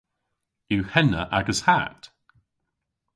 Yw henna agas hatt?